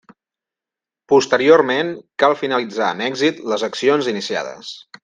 Posteriorment, cal finalitzar amb èxit les accions iniciades.